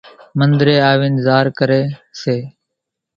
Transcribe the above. منۮرين آوين زار ڪري سي